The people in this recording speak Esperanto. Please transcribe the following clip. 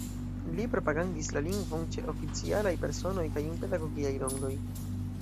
Li propagandis la lingvon ĉe oficialaj personoj kaj en pedagogiaj rondoj.